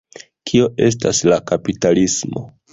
Kio estas la kapitalismo?